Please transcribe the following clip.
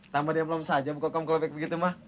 tambah dia belum saja bu kokom kalau begitu mah